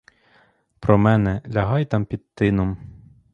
Про мене, лягай там під тином.